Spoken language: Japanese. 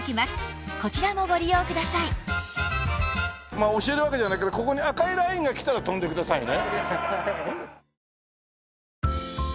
まあ教えるわけじゃないけどここに赤いラインが来たら飛んでくださいね。